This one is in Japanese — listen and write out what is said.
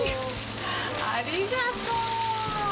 ありがとう。